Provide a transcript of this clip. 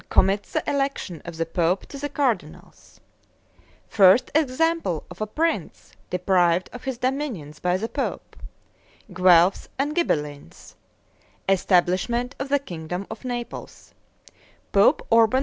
commits the election of the pope to the cardinals First example of a prince deprived of his dominions by the pope Guelphs and Ghibellines Establishment of the kingdom of Naples Pope Urban II.